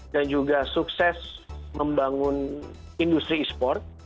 dan juga sukses membangun industri esports